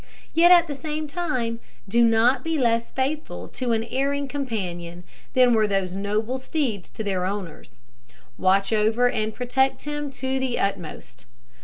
Yet, at the same time, do not be less faithful to an erring companion than were those noble steeds to their owners; watch over and protect him to the utmost.